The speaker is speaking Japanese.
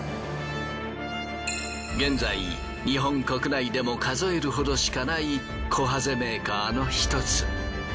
現在日本国内でも数えるほどしかないこはぜメーカーの１つ。